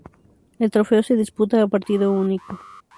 El trofeo se disputa a partido único.